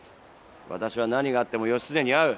私は何があっても義経に会う。